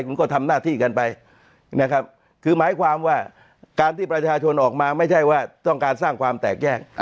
คุณก็ทำหน้าที่กันไปนะครับคือหมายความว่าการที่ประชาชนออกมาไม่ใช่ว่าต้องการสร้างความแตกแยก